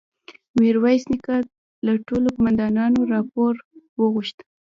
ميرويس نيکه له ټولو قوماندانانو راپور وغوښت.